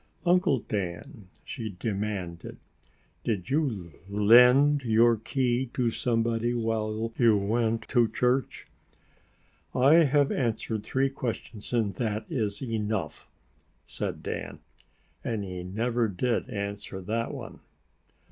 "Uncle Dan," she demanded, "did you lend your key to somebody while you went to church?" "I have answered three questions and that is enough!" said Dan. And he never did answer that one.